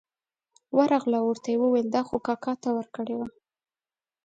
ورغله او ورته یې وویل دا خو کاکا ته ورکړې وه.